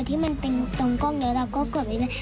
กดที่มันเป็นตรงกล้องเดี๋ยวเราก็กดไปเลื่อน